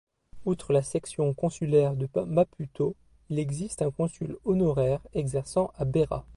Outre la section consulaire de Maputo, il existe un consul honoraire exerçant à Beira.